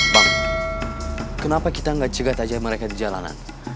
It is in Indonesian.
bang kenapa kita gak cegat tajam mereka di jalanan